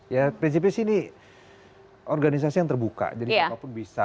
ya prinsipnya sih ini organisasi yang terbuka jadi siapapun bisa